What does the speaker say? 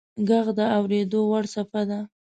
• ږغ د اورېدو وړ څپه ده.